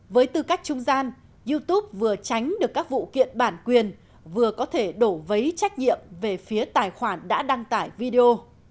với tư cách trung gian youtube vừa tránh được các vụ kiện bản quyền vừa có thể đổ vấy trách nhiệm về phía tài khoản đã đăng tải video